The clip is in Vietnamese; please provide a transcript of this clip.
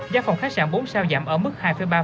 giá phòng khách sạn bốn sao giảm ở mức hai ba